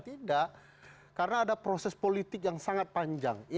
tidak karena ada proses politik yang sangat panjang